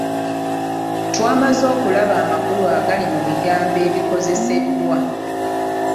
Twamaze okulaba amakulu agali mu bigambo ebikozeseddwa.